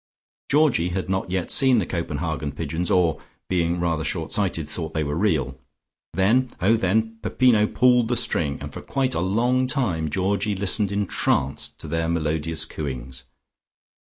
Georgie had not yet seen the Copenhagen pigeons, or being rather short sighted thought they were real. Then, oh then, Peppino pulled the string, and for quite a long time Georgie listened entranced to their melodious cooings.